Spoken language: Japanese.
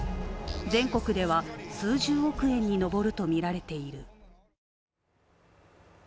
全国では数十億円に上るとみられている。